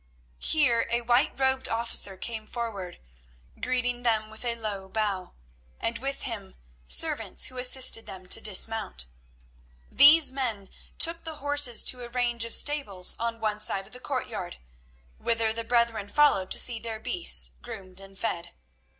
Here a white robed officer came forward, greeting them with a low bow, and with him servants who assisted them to dismount. These men took the horses to a range of stables on one side of the courtyard, whither the brethren followed to see their beasts groomed and fed.